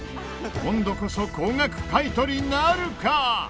今度こそ高額買い取りなるか？